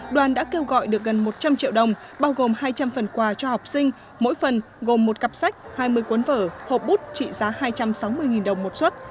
đoàn đã kêu gọi được gần một trăm linh triệu đồng bao gồm hai trăm linh phần quà cho học sinh mỗi phần gồm một cặp sách hai mươi cuốn vở hộp bút trị giá hai trăm sáu mươi đồng một xuất